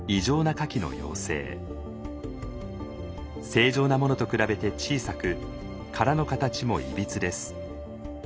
正常なものと比べて小さく殻の形もいびつです。